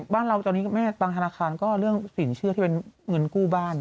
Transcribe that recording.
บ้านเราตอนนี้บางธนาคารก็เรื่องสินเชื่อที่เป็นเงินกู้บ้าน